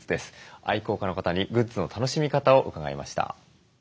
愛好家の方にグッズの楽しみ方を伺いました。